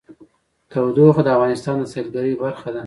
تودوخه د افغانستان د سیلګرۍ برخه ده.